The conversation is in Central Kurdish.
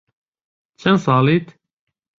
چەند ساڵیت؟